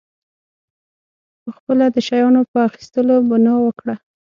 پخپله د شیانو په اخیستلو بنا وکړه.